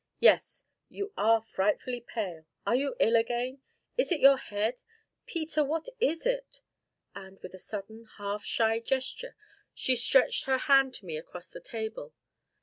"Yes, you are frightfully pale are you ill again is it your head; Peter what is it?" and, with a sudden, half shy gesture, she stretched her hand to me across the table.